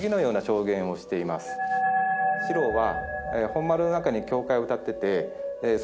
四郎は。